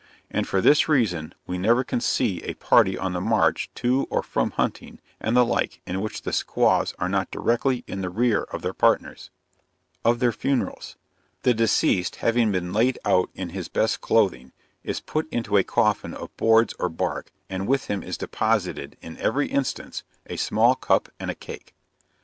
And for this reason we never can see a party on the march to or from hunting and the like, in which the squaws are not directly in the rear of their partners. OF THEIR FUNERALS. The deceased having been laid out in his best clothing, is put into a coffin of boards or bark, and with him is deposited, in every instance, a small cup and a cake.